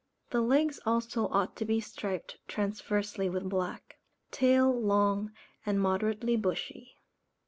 The legs also ought to be striped transversely with black. Tail long and moderately bushy.